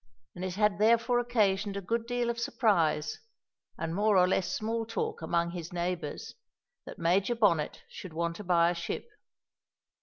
And it had therefore occasioned a good deal of surprise, and more or less small talk among his neighbours, that Major Bonnet should want to buy a ship.